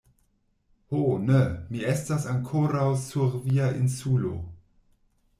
Ho ne, mi estas ankoraŭ sur via Insulo...